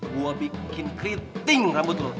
gue bikin keriting rambut loh